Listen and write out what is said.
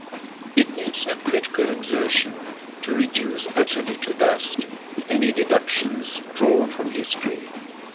It needs no critical exertion to reduce utterly to dust any deductions drawn from history.